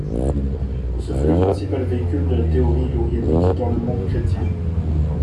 Ce fut le principal véhicule de la théorie lourianique dans le monde chrétien.